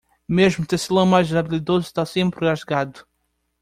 Mesmo o tecelão mais habilidoso está sempre rasgado.